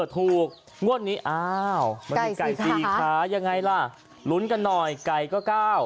ถูกงวดนี้ไก่๔ขายังไงล่ะลุ้นกันหน่อยไก่ก็๙